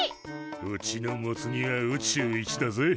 うちのモツ煮は宇宙一だぜ。